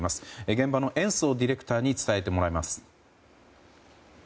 現場の延増ディレクターに伝えてもらいます。